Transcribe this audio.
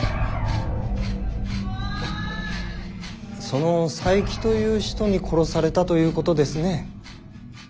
その佐伯という人に殺されたということですね。